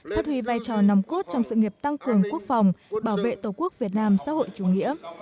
phát huy vai trò nòng cốt trong sự nghiệp tăng cường quốc phòng bảo vệ tổ quốc việt nam xã hội chủ nghĩa